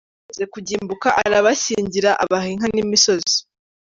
Bamaze kugimbuka arabashyingira, abaha inka n’imisozi.